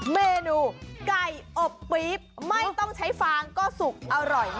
เมนูไก่อบปี๊บไม่ต้องใช้ฟางก็สุกอร่อย